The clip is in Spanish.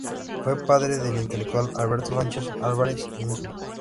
Fue padre del intelectual Alberto Sánchez Álvarez-Insúa.